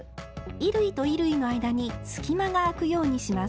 衣類と衣類の間に隙間があくようにします。